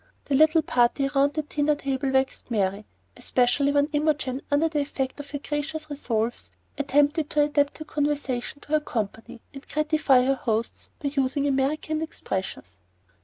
The little party round the dinner table waxed merry, especially when Imogen, under the effect of her gracious resolves, attempted to adapt her conversation to her company and gratify her hosts by using American expressions.